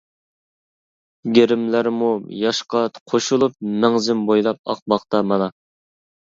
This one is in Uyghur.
گىرىملەرمۇ ياشقا قوشۇلۇپ مەڭزىم بويلاپ ئاقماقتا مانا.